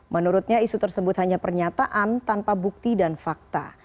menurutnya isu tersebut hanya pernyataan tanpa bukti dan fakta